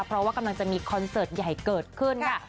เพราะว่ากำลังจะมีคอนเสิร์ตใหญ่เกิดขึ้นค่ะ